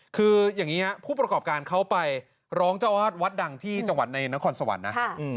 คืออย่างนี้ผู้ประกอบการเขาไปร้องเจ้าอาวาสวัดดังที่จังหวัดในนครสวรรค์นะ